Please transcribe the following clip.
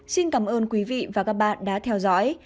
xin cảm ơn quý vị và các bạn đã theo dõi